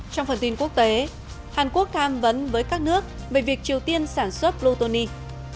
trong phần tin quốc tế hàn quốc tham vấn với các nước về việc triều tiên sản xuất rotoni